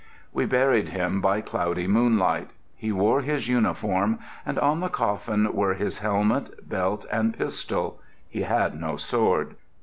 We buried him by cloudy moonlight. He wore his uniform, and on the coffin were his helmet, belt, and pistol (he had no sword).